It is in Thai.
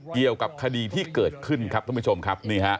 เกี่ยวกับคดีที่เกิดขึ้นครับท่านผู้ชมครับ